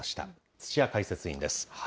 土屋解説委員です。